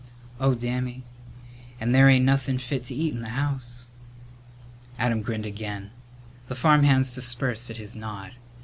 "Oh, Dammy, and there ain't nothin' fit to eat in the house!" Adam grinned again. The farmhands dispersed at his nod.